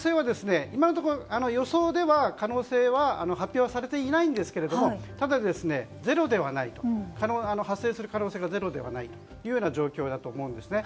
今のところ予想では可能性は発表されてはいないんですが発生する可能性がゼロではないという状況だと思うんですね。